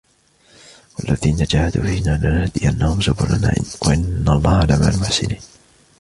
والذين جاهدوا فينا لنهدينهم سبلنا وإن الله لمع المحسنين